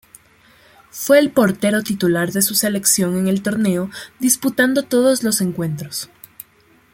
Fue el portero titular de su selección en el torneo, disputando todos los encuentros.